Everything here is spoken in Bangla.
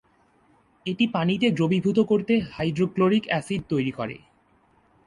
এটি পানিতে দ্রবীভূত করতে হাইড্রোক্লোরিক অ্যাসিড তৈরি করে।